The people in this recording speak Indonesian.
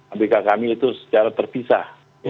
abk kami itu secara terpisah